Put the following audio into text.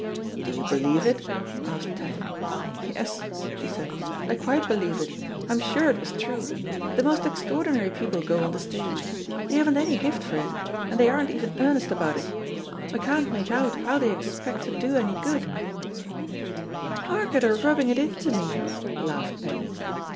"Do you believe it?" asked Tatham. *'Yes," she said, "I quite believe it; I'm sure it was true. The most extraordinary people go on the stage. They haven't any gift for it, and they aren't even earnest about it. I can't make out how they expect to do any good/' "Hark at her rubbing it into me I" laughed Peggy.